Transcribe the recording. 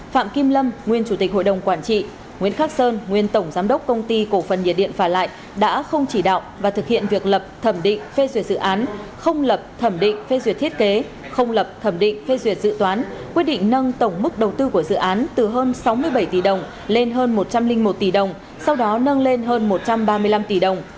phạm kim lâm nguyên chủ tịch hội đồng quản trị nguyễn khắc sơn nguyên tổng giám đốc công ty cổ phần nhiệt điện phả lại đã không chỉ đạo và thực hiện việc lập thẩm định phê duyệt dự án không lập thẩm định phê duyệt thiết kế không lập thẩm định phê duyệt dự toán quyết định nâng tổng mức đầu tư của dự án từ hơn sáu mươi bảy tỷ đồng lên hơn một trăm linh một tỷ đồng sau đó nâng lên hơn một trăm ba mươi năm tỷ đồng